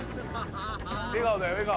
「笑顔だよ笑顔」